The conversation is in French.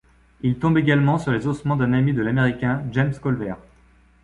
Ils tombent également sur les ossements d'un ami de l'américain, James Colver.